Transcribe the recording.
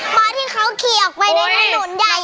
หมอที่เขาขี่ออกไปในถนนใหญ่อ่ะ